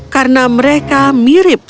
karena mereka mirip